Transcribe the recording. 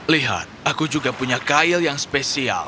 lihat aku juga punya kail yang spesial